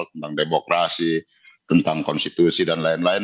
tentang demokrasi tentang konstitusi dan lain lain